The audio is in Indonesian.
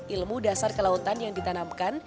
ilmu dasar kelautan yang ditanamkan